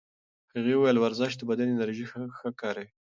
هغې وویل ورزش د بدن انرژي ښه کاروي.